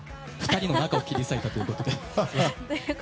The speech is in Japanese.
２人の仲を切り裂いてということで。